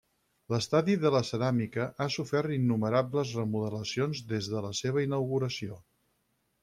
L'Estadi de la Ceràmica ha sofert innumerables remodelacions des de la seva inauguració.